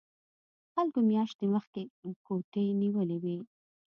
خلکو میاشتې مخکې کوټې نیولې وي